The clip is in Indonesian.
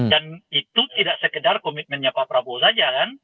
dan itu tidak sekedar komitmennya pak prabowo saja kan